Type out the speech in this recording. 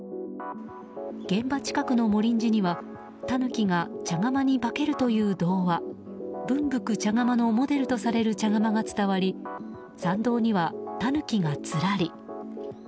現場近くの茂林寺にはタヌキが茶釜に化けるという童話「分福茶釜」のモデルとされる茶釜が伝わり参道にはタヌキがずらり。